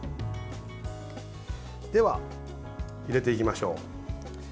では、入れていきましょう。